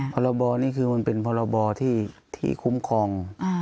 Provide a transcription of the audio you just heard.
พรบนี้คือมันเป็นพรบที่คุ้มครอง